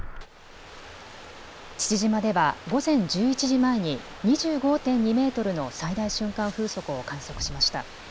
父島では午前１１時前に２５．２メートルの最大瞬間風速を観測しました。